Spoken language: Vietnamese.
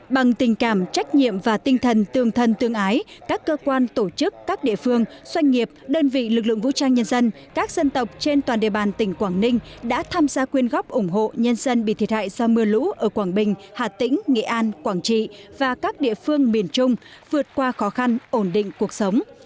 bằng tình cảm trách nhiệm và tinh thần tương thân tương ái các cơ quan tổ chức các địa phương doanh nghiệp đơn vị lực lượng vũ trang nhân dân các dân tộc trên toàn địa bàn tỉnh quảng ninh đã tham gia quyên góp ủng hộ nhân dân bị thiệt hại do mưa lũ ở quảng bình hà tĩnh nghệ an quảng trị và các địa phương miền trung vượt qua khó khăn ổn định cuộc sống